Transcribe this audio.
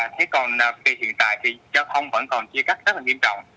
thế còn hiện tại thì giao thông vẫn còn chia cắt rất là nghiêm trọng